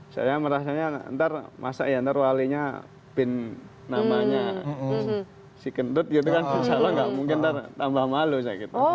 saya merasanya ntar masa ya ntar walinya bin namanya si kentut gitu kan insya allah nggak mungkin ntar tambah malu saya gitu